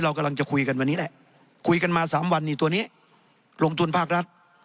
เรากำลังจะคุยกันวันนี้แหละคุยกันมา๓วันนี้ตัวนี้ลงทุนภาครัฐ